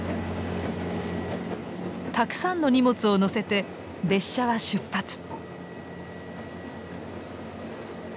たくさんの荷物を載せて列車は出発。